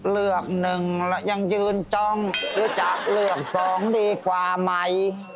เลือกหนึ่งแล้วยังยืนจ้องหรือจะเลือก๒ดีกว่าใหม่